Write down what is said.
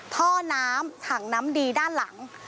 ท่อน้ำถังน้ำดีด้านหลัง